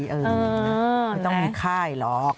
ไม่ต้องมีค่ายหรอก